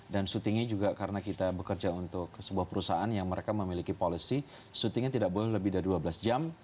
dan syutingnya juga karena kita bekerja untuk sebuah perusahaan yang mereka memiliki policy syutingnya tidak boleh lebih dari dua belas jam